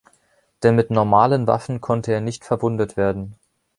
Denn mit normalen Waffen konnte er nicht verwundet werden.